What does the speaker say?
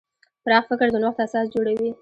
پراخ فکر د نوښت اساس جوړوي.